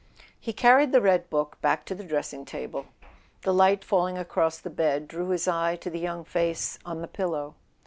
He carried the red book back to the dressing table. The light falling across the bed drew his eye to the young face on the pillow.